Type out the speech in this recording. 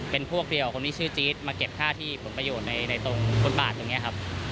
เป็นพวกเดียวกับคนที่ชื่อจี๊ดมาเก็บค่าที่ผลประโยชน์ในตรงบทบาทอย่างนี้ครับ